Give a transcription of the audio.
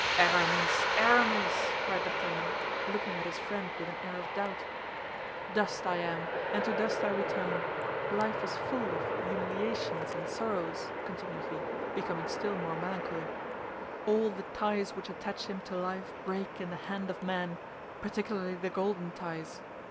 "Aramis, Aramis!" cried D'Artagnan, looking at his friend with an air of doubt. "Dust I am, and to dust I return. Life is full of humiliations and sorrows," continued he, becoming still more melancholy; "all the ties which attach him to life break in the hand of man, particularly the golden ties.